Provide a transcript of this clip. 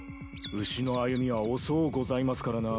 牛の歩みは遅うございますからなぁ。